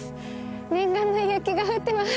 念願の雪が降ってます。